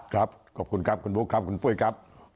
ครับขอบคุณครับคุณบุ๊คครับคุณปุ้ยครับ